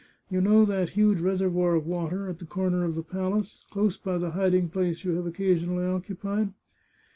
" You know that huge reservoir of water, at the corner of the palace, close by the hiding place you have occasionally occupied